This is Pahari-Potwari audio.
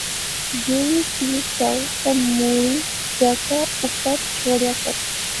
جیہری چیز چاَئو تے موڑی جغہ اوپر شوڑیا کرو